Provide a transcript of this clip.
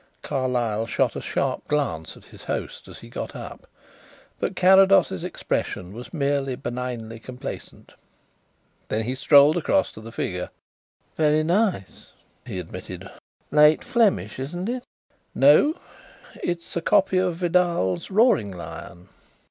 Carlyle shot a sharp glance at his host as he got up, but Carrados's expression was merely benignly complacent. Then he strolled across to the figure. "Very nice," he admitted. "Late Flemish, isn't it?" "No, It is a copy of Vidal's 'Roaring Lion.'"